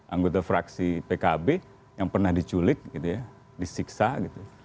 anggota fraksi pkb yang pernah diculik gitu ya disiksa gitu